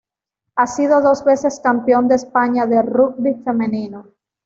Ha sido dos veces campeón de España de rugby femenino.